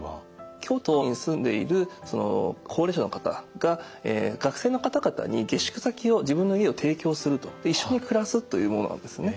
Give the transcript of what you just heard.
京都に住んでいる高齢者の方が学生の方々に下宿先を自分の家を提供すると一緒に暮らすというものなんですね。